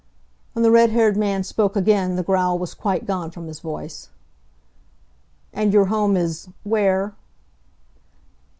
When the red haired man spoke again the growl was quite gone from his voice. "And your home is where?"